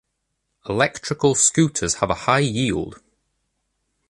Electrical scooters have a high yield.